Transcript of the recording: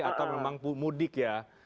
atau memang mudik ya